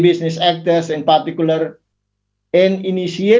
untuk memulai kooperasi bisnis